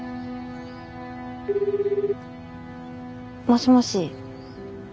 もしもし。